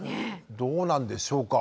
どうなんでしょうか。